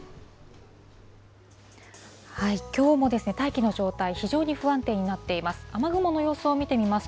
きょうも大気の状態、非常に不安定になっています。